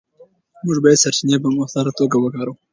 موږ باید سرچینې په مؤثره توګه وکاروو.